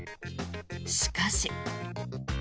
しかし。